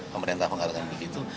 pemerintah mengatakan begitu